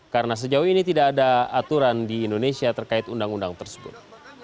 karena sejauh ini tidak ada aturan di indonesia terkait undang undang tersebut